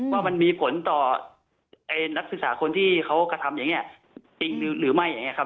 ว่ามันมีผลต่อนักศึกษาคนที่เขากระทำอย่างนี้จริงหรือไม่อย่างนี้ครับ